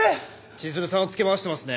千鶴さんをつけ回してますね？